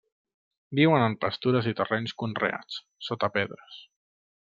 Viuen en pastures i terrenys conreats, sota pedres.